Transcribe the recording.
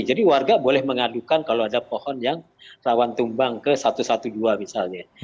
jadi warga boleh mengadukan kalau ada pohon yang rawan tumbang ke satu ratus dua belas misalnya